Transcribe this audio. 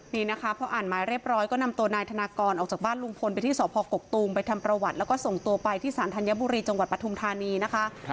นี่นะคะพออ่านหมายเรียบร้อยก็นำตัวนายธนากรออกจากบ้านลุงพลไปที่สพกกตูมไปทำประวัติแล้วก็ส่งตัวไปที่สารธัญบุรีจังหวัดปทุมธานีนะคะ